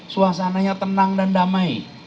suasananya tenang dan damai